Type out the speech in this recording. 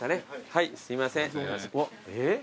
はいすいません。